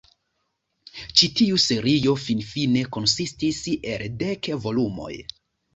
Ĉi tiu serio finfine konsistis el dek volumoj.